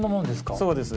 そうです。